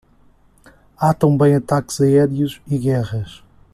Há também ataques aéreos e guerras